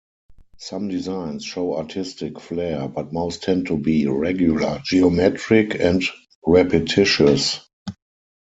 Some designs show artistic flair, but most tend to be regular, geometric, and repetitious.